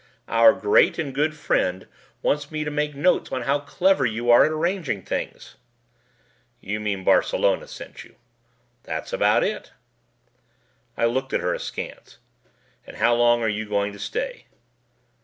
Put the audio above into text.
"Our great and good friend wants me to make notes on how clever you are at arranging things." "You mean Barcelona sent you." "That's about it." I looked at her askance. "And how long are you going to stay?"